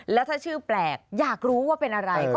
แล้วถ้าชื่อแปลกอยากรู้ว่าเป็นอะไรก็เลยสั่ง